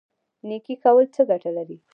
نیکي کول څه ګټه لري؟